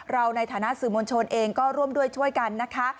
เราในฐานะสื่อมวลชนเองก็ร่วมด้วยช่วยกันนะคะ